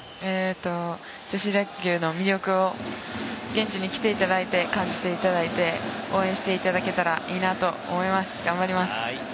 女子野球の魅力を現地に来ていただいて、感じていただいて、応援していただけたらいいと思います。